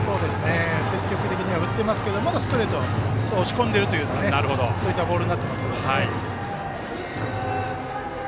積極的に振ってますけどもまだストレート押し込んでいるというボールになっていますね。